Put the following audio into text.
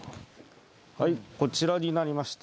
こちらになりまして。